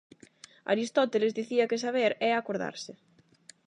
Aristóteles dicía que saber é acordarse.